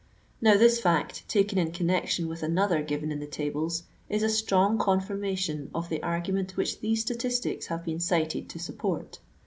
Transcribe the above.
Now this fact taken in connection with another given in the tables, is a strong confirmation of the argument which these statistics have been cited to support.